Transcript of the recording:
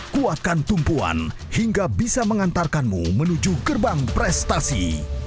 kuatkan tumpuan hingga bisa mengantarkanmu menuju gerbang prestasi